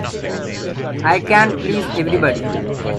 I can't please everybody.